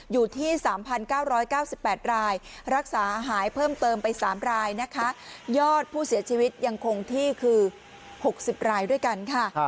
อยู่ที่๓๙๙๘รายรักษาหายเพิ่มเติมไป๓รายนะคะยอดผู้เสียชีวิตยังคงที่คือ๖๐รายด้วยกันค่ะ